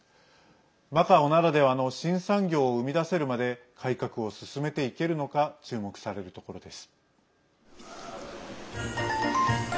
マカオならではの新産業を生み出せるまで改革を進めていけるのか注目されるところです。